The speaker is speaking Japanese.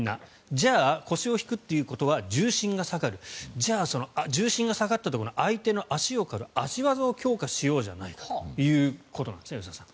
じゃあ、腰を引くということは重心が下がるじゃあ、その重心が下がったところの相手の足を刈る足技を強化しようじゃないかということなんですね吉田さん。